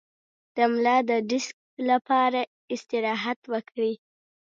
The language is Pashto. د ملا د ډیسک لپاره استراحت وکړئ